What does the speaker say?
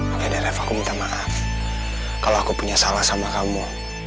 oke dari ref aku minta maaf kalau aku punya salah sama kamu